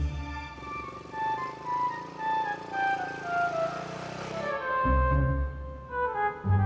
sama satria sendiri mas